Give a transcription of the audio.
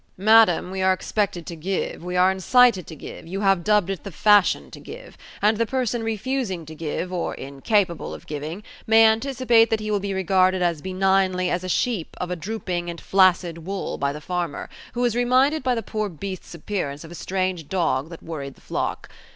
"Madam, we are expected to give; we are incited to give; you have dubbed it the fashion to give; and the person refusing to give, or incapable of giving, may anticipate that he will be regarded as benignly as a sheep of a drooping and flaccid wool by the farmer, who is reminded by the poor beast's appearance of a strange dog that worried the flock.